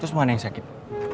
terus mana yang sakit